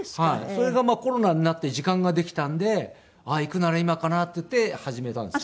それがコロナになって時間ができたので行くなら今かなっていって始めたんですね。